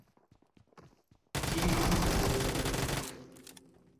金馬東路